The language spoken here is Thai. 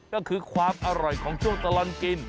ก็คือความอร่อยของช่วงตลอดกิน